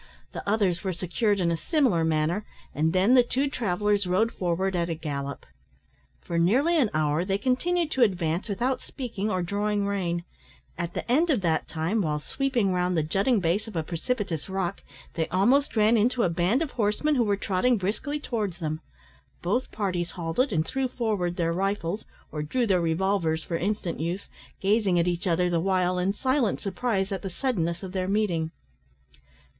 The others were secured in a similar manner, and then the two travellers rode forward at a gallop. For nearly an hour they continued to advance without speaking or drawing rein. At the end of that time, while sweeping round the jutting base of a precipitous rock, they almost ran into a band of horsemen who were trotting briskly towards them. Both parties halted, and threw forward their rifles, or drew their revolvers for instant use, gazing at each other the while in silent surprise at the suddenness of their meeting.